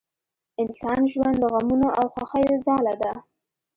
انسان ژوند د غمونو او خوښیو ځاله ده